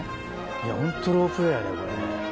いやホントロープウエーやねこれ。